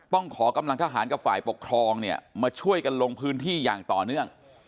ต้องขอกำลังทหารกับฝ่ายปกครองเนี่ยมาช่วยกันลงพื้นที่อย่างต่อเนื่อง